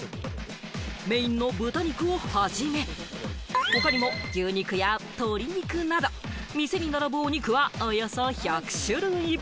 メインの豚肉をはじめ、他にも牛肉や鶏肉など店に並ぶお肉はおよそ１００種類！